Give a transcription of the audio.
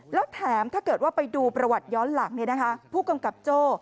แล้วแถมถ้าเกิดว่าไปดูประวัติย้อนหลังผู้กำกับโจ้